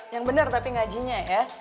yang benar tapi ngajinya ya